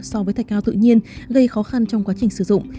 so với thạch cao tự nhiên gây khó khăn trong quá trình sử dụng